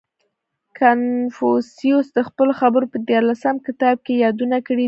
• کنفوسیوس د خپلو خبرو په دیارلسم کتاب کې یې یادونه کړې ده.